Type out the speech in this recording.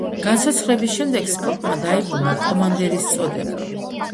გაცოცხლების შემდეგ სპოკმა დაიბრუნა კომანდერის წოდება.